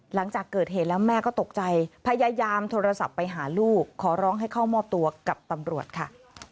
หลังจากเกิดเหตุแล้วแม่ก็ตกใจพยายามโทรศัพท์ไปหาลูกขอร้องให้เข้ามอบตัวกับตำรวจค่ะ